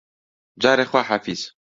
جارێ خواحافیز